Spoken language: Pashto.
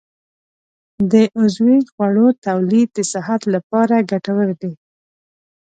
د عضوي خوړو تولید د صحت لپاره ګټور دی.